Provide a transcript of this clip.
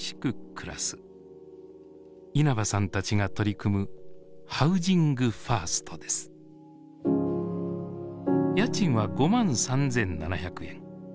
稲葉さんたちが取り組む家賃は５万３，７００円。